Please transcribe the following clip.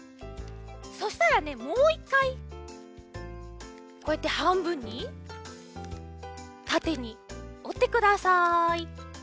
そしたらねもう１かいこうやってはんぶんにたてにおってください。